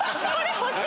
欲しい！